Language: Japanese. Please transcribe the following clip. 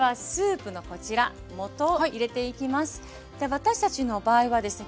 私たちの場合はですね